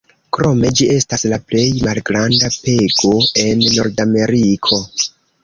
Krome ĝi estas la plej malgranda pego en Nordameriko.